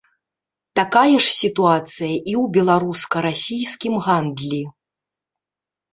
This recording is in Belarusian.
Такая ж сітуацыя і ў беларуска-расійскім гандлі.